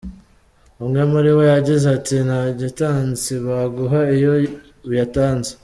Umwe muri bo yagize ati “Nta gitansi baguha iyo uyatanze.